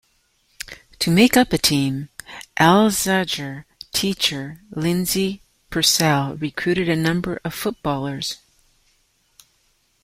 To make up a team, Alsager teacher Lindsay Purcell recruited a number of footballers.